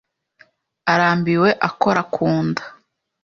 arambiwe akora ku nda